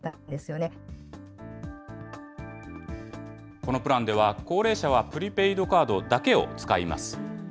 このプランでは、高齢者はプリペイドカードだけを使います。